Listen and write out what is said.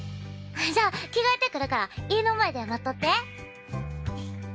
じゃあ着替えてくるから家の前で待っとって。